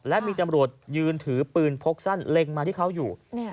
และมีตำรวจยืนถือปืนพกสั้นเล็งมาที่เขาอยู่